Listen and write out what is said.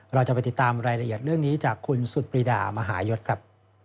เราจะไปติดตามรายละเอียดเรื่องนี้จากคุณสุดปรีดามหายศครับ